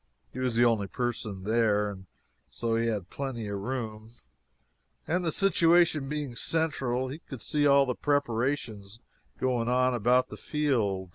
He was the only person there, and so he had plenty of room, and the situation being central, he could see all the preparations going on about the field.